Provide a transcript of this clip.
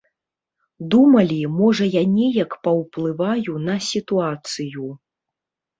Думалі, можа я неяк паўплываю на сітуацыю.